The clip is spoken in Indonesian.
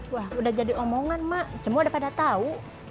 wah udah jadi omongan mak semua udah pada tahu